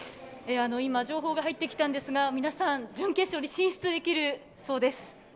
今、情報が入ってきたんですが、皆さん、準決勝に進出できるそうです。